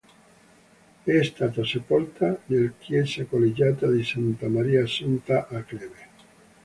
È stata sepolta nel chiesa collegiata di Santa Maria Assunta a Kleve.